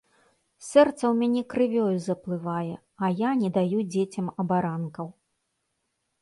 Сэрца ў мяне крывёю заплывае, а я не даю дзецям абаранкаў.